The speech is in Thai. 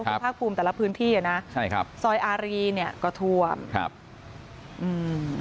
คุณภาคภูมิแต่ละพื้นที่อ่ะนะใช่ครับซอยอารีเนี้ยก็ท่วมครับอืม